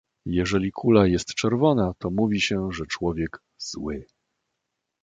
"Jeżeli kula jest czerwona, to mówi się, że człowiek „zły“."